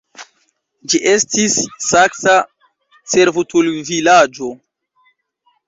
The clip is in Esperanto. Ĝi estis saksa servutulvilaĝo.